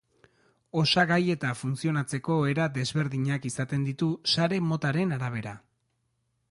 Osagai eta funtzionatzeko era desberdinak izaten ditu sare-motaren arabera.